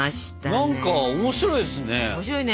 何か面白いですね。